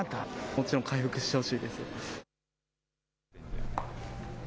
もちろん回復してほしいです。